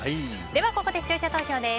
ここで視聴者投票です。